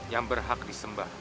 yang berhak disembah